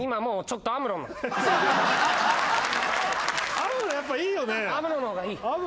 アムロやっぱいいよね。